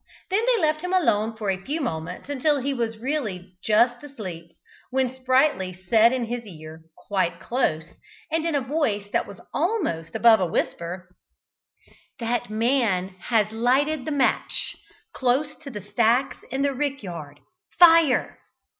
Then they left him alone for a few moments until he was really just asleep, when Sprightly said in his ear, quite close, and in a voice that was almost above a whisper, "That man has lighted the match close to the stacks in the rick yard. Fire!"